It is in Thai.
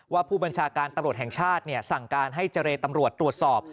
ว่าผู้บัญชาการตรชสั่งการให้เจรตรตรวจสอบ